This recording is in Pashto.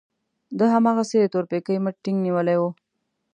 ده هماغسې د تورپيکۍ مټ ټينګ نيولی و.